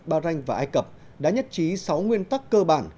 ba ranh và ai cập đã nhất trí sáu nguyên tắc cơ bản